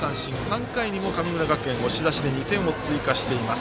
３回にも神村学園、押し出して２点を追加しています。